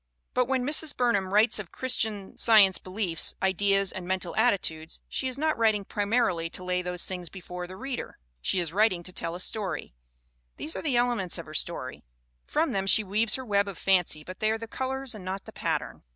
But when Mrs. Burnham writes of Christian CLARA LOUISE BURNHAM 281 Science beliefs, ideas and mental attitudes she is not writing primarily to lay those things before the reader She is writing to tell a story. These are the elements of her story. From them she weaves her web of fancy but they are the colors and not the pattern.